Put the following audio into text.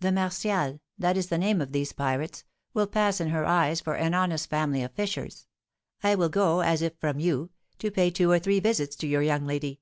The Martials that is the name of these pirates will pass in her eyes for an honest family of fishers. I will go, as if from you, to pay two or three visits to your young lady.